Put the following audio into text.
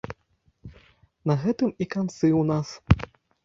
На гэтым і канцы ў нас.